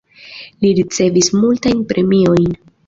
Li ricevis multajn premiojn.